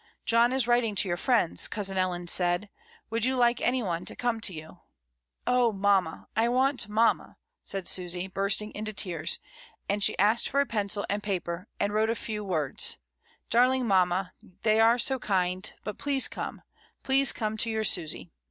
"John is writing to your friends," cousin Ellen said; "would you like any one to come to you?" "Oh, mamma; I want mamma," said Susy, bursting into tears; and she asked for a pencil and paper, and wrote a few words: "Darling mamma, they are so kind, but please come, please come to your Susy."